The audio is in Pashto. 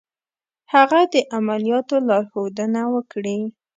هغه دې د عملیاتو لارښودنه وکړي.